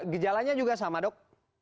gejalanya juga sama dok